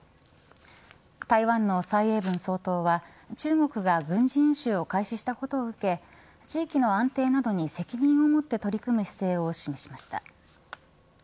台湾の蔡英文総統は中国が軍事演習を開始したことを受け地域の安定などに責任を持って取り組む姿勢を示しました。